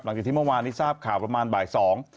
หลังจากที่เมื่อวานนี้ทราบข่าวประมาณบ่ายสอง